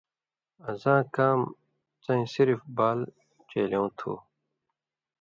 آں زاں کام څَیں صِرِف بال ڇېلیؤں تھُو۔“